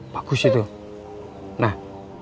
bagus itu nah